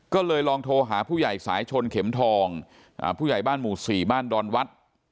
ก็เลยลองโทรหาผู้ใหญ่สายชนเข็มทองผู้ใหญ่บ้านหมู่๔บ้านดอนวัด